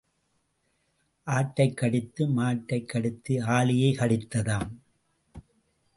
ஆட்டைக் கடித்து மாட்டைக் கடித்து ஆளையே கடித்ததாம்.